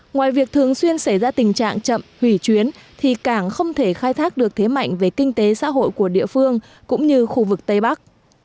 ngoài việc thường xuyên xảy ra tình trạng chậm hủy chuyến thì cảng không thể khai thác được thế mạnh về kinh tế xã hội của địa phương cũng như khu vực tây bắc